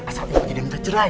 asal ibu tidak minta cerai